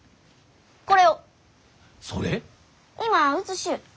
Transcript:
今写しゆう。